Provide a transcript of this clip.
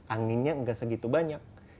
anginnya tidak segitu banyak